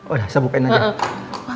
udah saya bukain aja